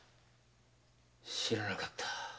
知らなかった。